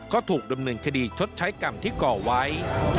ก็ถูกดำเนินคดีชดใช้กรรมที่ก่อไว้